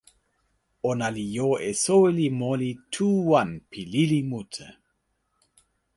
ona li jo e soweli moli tu wan pi lili mute.